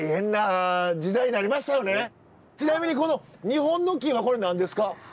ちなみにこの２本の木はこれ何ですか？